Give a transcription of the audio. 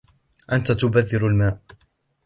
أنت تبذر الماء